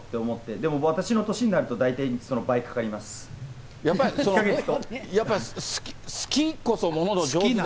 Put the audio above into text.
でも私の年になると、大体その倍かかります。